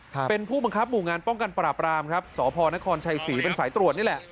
ครับเป็นผู้บังคับหมู่งานป้องกันปราบรามครับสพนครชัยศรีเป็นสายตรวจนี่แหละ